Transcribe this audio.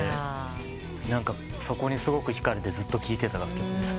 そこにすごく引かれてずっと聴いてた楽曲です。